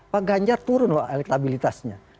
pak ganjar turun elektabilitasnya